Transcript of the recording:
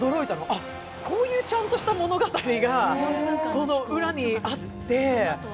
あ、こういうちゃんとした物語が、この裏にあって。